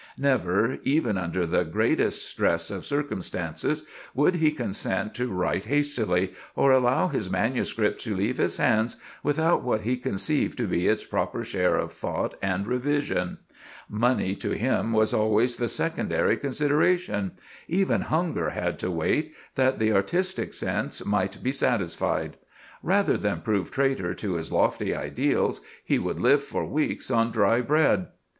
Never, even under the greatest stress of circumstances, would he consent to write hastily, or allow his manuscript to leave his hands without what he conceived to be its proper share of thought and revision. Money to him was always the secondary consideration; even hunger had to wait, that the artistic sense might be satisfied. Rather than prove traitor to his lofty ideals, he would live for weeks on dry bread.